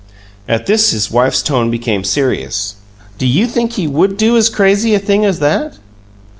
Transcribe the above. At this his wife's tone became serious. "Do you think he WOULD do as crazy a thing as that?"